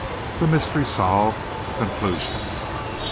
THE MYSTERY SOLVED CONCLUSION.